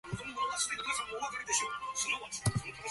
He was involved in designing some of the last Panhard cars built.